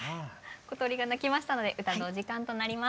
小鳥が鳴きましたので歌のお時間となります。